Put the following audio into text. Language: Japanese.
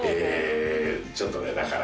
「ちょっとねだから」